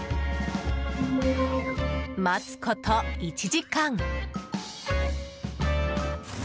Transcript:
待つこと１時間。